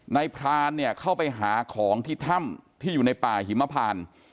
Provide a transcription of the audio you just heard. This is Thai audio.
พรานเนี่ยเข้าไปหาของที่ถ้ำที่อยู่ในป่าหิมพาน